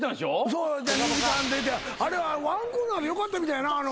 そう２時間出てあれ１コーナーでよかったみたいやな。